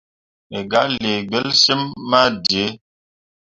Me gah lii gbelsyimmi ma dǝǝ.